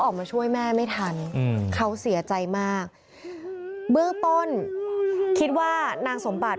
ออกมาช่วยแม่ไม่ทันอืมเขาเสียใจมากเบื้องต้นคิดว่านางสมบัติ